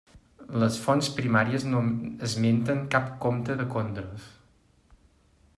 Les fonts primàries no esmenten cap comte de Condroz.